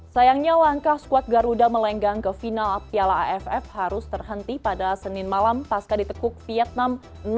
sayangnya langkah skuad garuda melenggang ke final piala aff harus terhenti pada senin malam pasca di tekuk vietnam dua